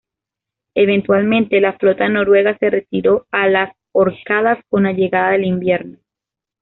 Eventualmente, la flota noruega se retiró a las Órcadas con la llegada del invierno.